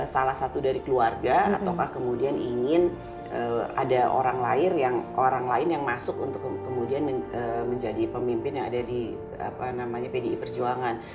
salah satu dari keluarga ataukah kemudian ingin ada orang lain yang masuk untuk kemudian menjadi pemimpin yang ada di pdi perjuangan